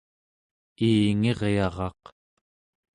iingiryaraq